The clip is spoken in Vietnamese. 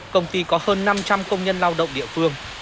công ty có hơn năm trăm linh công nhân lao động địa phương